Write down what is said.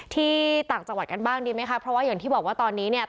ต่างจังหวัดกันบ้างดีไหมคะเพราะว่าอย่างที่บอกว่าตอนนี้เนี่ย